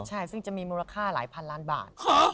ใช่ซึ่งจะมีมูลค่าหลายพันล้านบาท